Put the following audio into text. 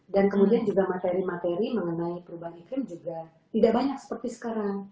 dan kemudian juga materi materi mengenai perubahan iklim juga tidak banyak juga ya